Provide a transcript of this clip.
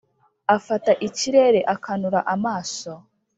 Afata ikirere akanura amaso: